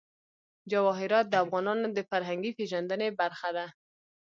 جواهرات د افغانانو د فرهنګي پیژندنې برخه ده.